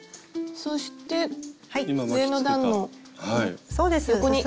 そして上の段の横に。